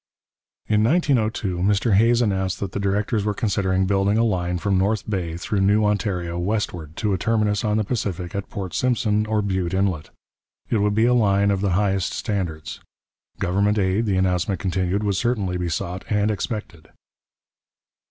In 1902 Mr Hays announced that the directors were considering building a line from North Bay, through New Ontario westward, to a terminus on the Pacific at Port Simpson or Bute Inlet. It would be a line of the highest standards. Government aid, the announcement continued, would certainly be sought and expected.